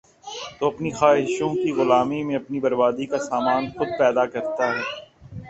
تو اپنی خواہشوں کی غلامی میں اپنی بربادی کا سامان خود پیدا کرتا ہے ۔